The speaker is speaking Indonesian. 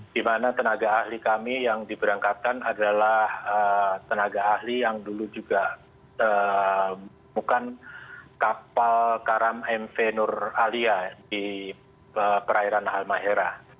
di mana tenaga ahli kami yang diberangkatkan adalah tenaga ahli yang dulu juga menemukan kapal karam mv nur alia di perairan halmahera